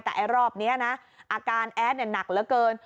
แต่ไอ้รอบนี้นะอาการแอดหนักเหลือเกิน